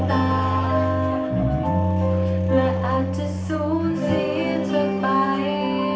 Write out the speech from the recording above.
ได้แค่ฝันข้างดีละมา